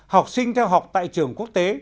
học sinh theo học tại trường quốc tế